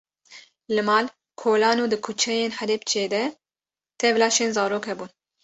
Li mal, kolan û di kuçeyên Helepçê de tev laşên zarok hebûn.